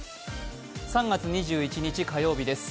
３月２１日火曜日です。